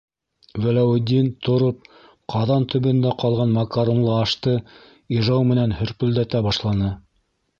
- Вәләүетдин, тороп, ҡаҙан төбөндә ҡалған макаронлы ашты ижау менән һөрпөлдәтә башланы.